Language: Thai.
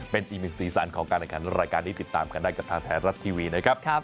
เป็นอีกหนึ่งสีสันของการแข่งขันรายการนี้ติดตามกันได้กับทางไทยรัฐทีวีนะครับ